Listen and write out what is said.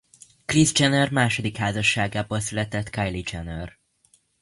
Kris Jenner második házasságából született Kylie Jenner.